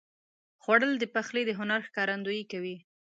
خوړل د پخلي د هنر ښکارندویي کوي